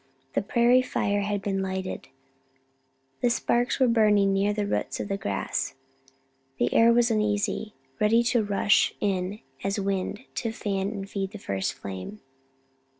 The prairie fire had been lighted; the sparks were burning near the roots of the grass; the air was uneasy ready to rush in as wind, to fan and feed the first flame.